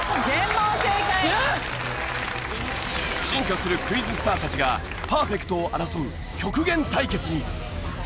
進化するクイズスターたちがパーフェクトを争う極限対決に。